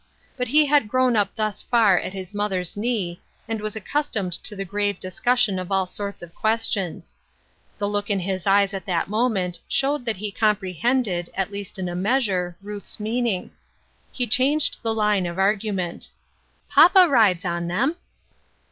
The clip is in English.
But he had grown up thus far at his mother's knee, and was accustomed to the grave discussion of all sorts of questions. The look in his eyes at that moment showed that he comprehended, at least in a meas ure, Ruth's meaning. He changed the line of argument :" Papa rides on them."